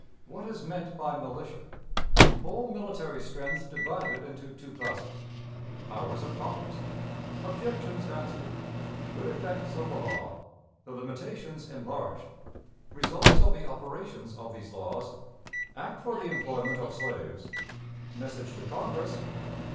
What is meant by Militia. Whole Military Strength divided into Two Classes. Powers of Congress. Objections answered. Good Effects of the Law. The Limitations enlarged. Results of the Operations of these Laws. Act for the Employment of Slaves. Message to Congress.